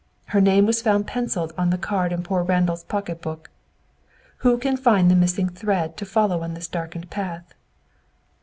Her name was found pencilled on the card in poor Randall's pocketbook. Who can find the missing thread to follow on this darkened path?"